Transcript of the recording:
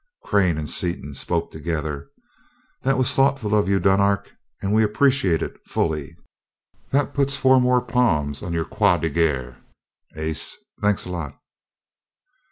Crane and Seaton spoke together. "That was thoughtful of you, Dunark, and we appreciated it fully." "That puts four more palms on your Croix de Guerre, ace. Thanks a lot."